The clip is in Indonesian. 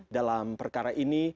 dalam perkara ini